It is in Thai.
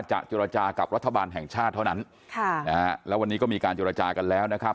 เจรจากับรัฐบาลแห่งชาติเท่านั้นค่ะนะฮะแล้ววันนี้ก็มีการเจรจากันแล้วนะครับ